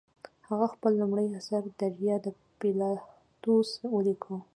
هغه خپل لومړی اثر دریا د پیلاتوس ولیکه.